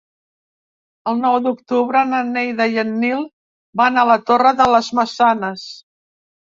El nou d'octubre na Neida i en Nil van a la Torre de les Maçanes.